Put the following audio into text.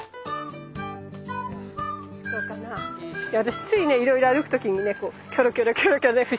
私ついねいろいろ歩く時にねこうキョロキョロキョロキョロね